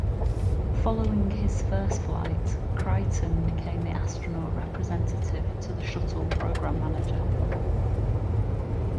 Following his first flight, Creighton became the astronaut representative to the Shuttle Program Manager.